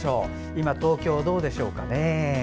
今、東京はどうでしょうかね。